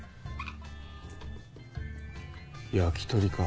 焼き鳥か。